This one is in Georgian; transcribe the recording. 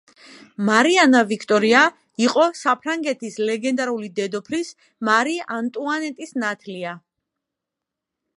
მარიანა ვიქტორია იყო საფრანგეთის ლეგენდარული დედოფლის, მარი ანტუანეტის ნათლია.